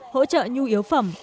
hỗ trợ nhu yếu phẩm